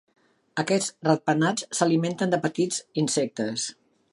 Aquests ratpenats s'alimenten de petits insectes.